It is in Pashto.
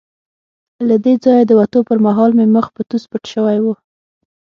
له دې ځایه د وتو پر مهال مې مخ په توس پټ شوی وو.